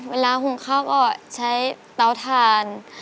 เวลาหุ่งข้าก็ใช้เตาถ่าน